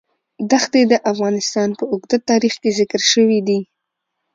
دښتې د افغانستان په اوږده تاریخ کې ذکر شوی دی.